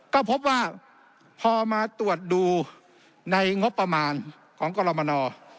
ก็พบว่าพอมาตรวจดูในงบประมาณของกรมน